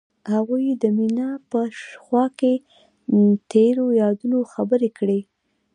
هغوی د مینه په خوا کې تیرو یادونو خبرې کړې.